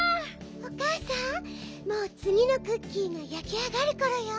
おかあさんもうつぎのクッキーがやきあがるころよ。